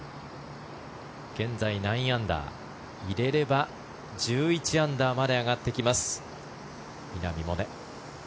現在９アンダー入れれば１１アンダーまで上がってきます、稲見萌寧。